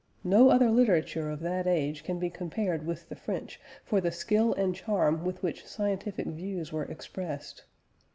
No other literature of that age can be compared with the French for the skill and charm with which scientific views were expressed.